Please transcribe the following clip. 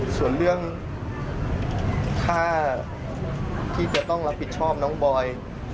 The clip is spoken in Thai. ส่วนเรื่องถ้าที่จะต้องรับผิดชอบน้องบอย